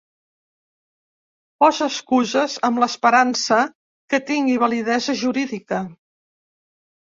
Posa excuses amb l'esperança que tingui validesa jurídica.